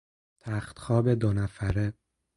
تختخواب دو نفره